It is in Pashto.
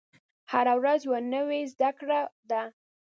هره ورځ یوه نوې زده کړه ده.